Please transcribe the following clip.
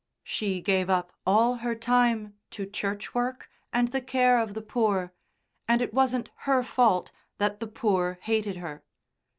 She gave up all her time to church work and the care of the poor, and it wasn't her fault that the poor hated her.